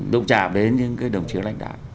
động trạm đến những cái đồng chí lãnh đảng